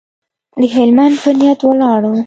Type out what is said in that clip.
د هلمند په نیت ولاړو.